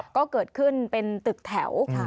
ก็เกิดขึ้นเป็นตึกแถว